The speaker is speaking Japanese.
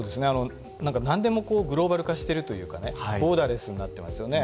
何でもグローバル化しているというかね、ボーダレスになっていますよね。